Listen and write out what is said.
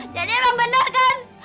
jadi emang bener kan